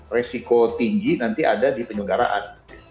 resiko tinggi nanti ada di penyelenggaraan